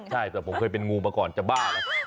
ใช่แต่ผมเคยเป็นงูมาก่อนจะบ้านะ